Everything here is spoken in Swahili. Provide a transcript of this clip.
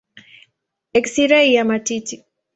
Eksirei ya matiti.